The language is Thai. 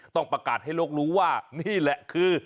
ต้องประกาศให้โลกรู้ว่านี่แหละคือ